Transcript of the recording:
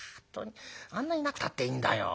あんないなくたっていいんだよ。